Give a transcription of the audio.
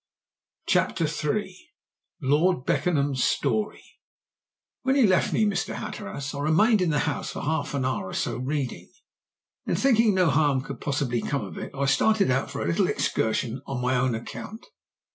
CHAPTER III LORD BECKENHAM'S STORY "When you left me, Mr. Hatteras, I remained in the house for half an hour or so reading. Then, thinking no harm could possibly come of it, I started out for a little excursion on my own account.